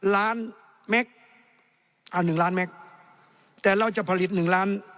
ล้านแม็กซ์อ่าหนึ่งล้านแม็กซ์แต่เราจะผลิตหนึ่งล้าน